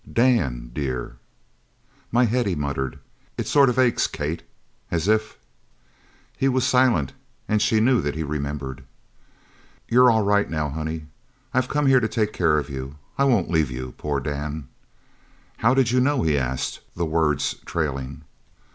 "Dan dear!" "My head," he muttered, "it sort of aches, Kate, as if " He was silent and she knew that he remembered. "You're all right now, honey. I've come here to take care of you I won't leave you. Poor Dan!" "How did you know?" he asked, the words trailing.